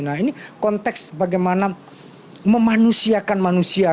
nah ini konteks bagaimana memanusiakan manusia